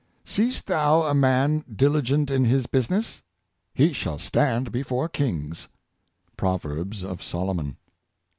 Seest thou a man diligent in his business ? He shall stand before kings." — Proverbs of Solomon.